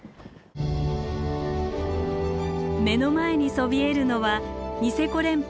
目の前にそびえるのはニセコ連峰